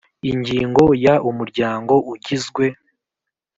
Ingingo ya umuryango ugizwe